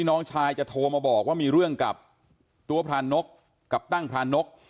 น้องชายจะโทรมาบอกว่ามีเรื่องกับตัวพรานกกับตั้งพรานก